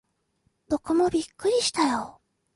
僕もびっくりしたよ。